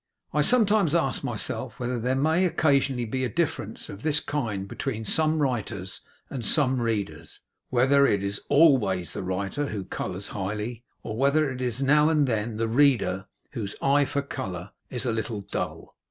I sometimes ask myself whether there may occasionally be a difference of this kind between some writers and some readers; whether it is ALWAYS the writer who colours highly, or whether it is now and then the reader whose eye for colour is a little dull?